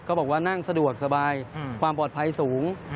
บอกว่านั่งสะดวกสบายความปลอดภัยสูง